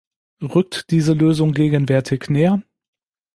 Rückt diese Lösung gegenwärtig näher?